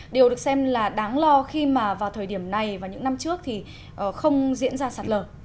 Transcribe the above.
điều được xem là đáng lo khi mà vào thời điểm này và những năm trước thì không diễn ra sạt lở